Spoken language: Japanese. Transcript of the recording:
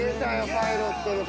パイロットの方。